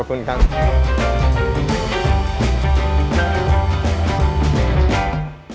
ขอบคุณครับ